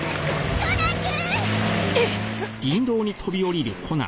コナン君！